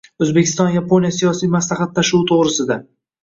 O‘zbekiston – Yaponiya siyosiy maslahatlashuvi to‘g‘risida